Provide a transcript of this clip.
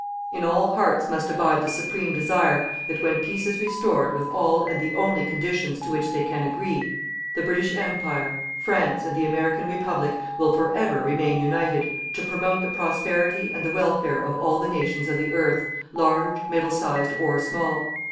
In all hearts must abide the supreme desire that when peace is restored with all and the only conditions to which they can agree, the British Empire, France and the American Republic will forever remain united to promote the prosperity and the welfare of all the nations of the earth, large, middle sized or small.